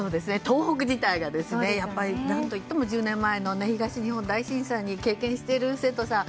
東北自体が、何といっても１０年前の東日本大震災を経験している生徒さん